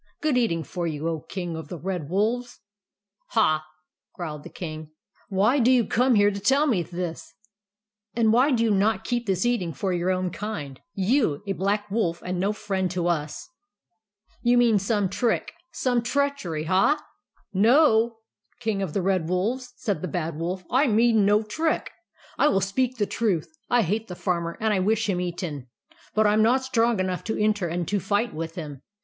Good eating for you, O King of the Red Wolves !"" Ha !" growled the King. * Why do you come here to tell me this, and why do you not keep this eating for your own kind, — you, a Black Wolf and no friend to us ? You mean some trick, some treachery, ha?" " No, King of the Red Wolves," said the Bad Wolf, " I mean no trick. I will speak the truth. I hate the Farmer, and I wish him eaten ; but I am not strong enough to enter and to fight with him.